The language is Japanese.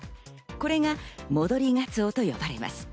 これが戻りガツオと呼ばれます。